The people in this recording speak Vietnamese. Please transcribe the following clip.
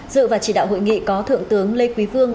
dự và chỉ đạo hội nghị có thượng tướng lê quý vương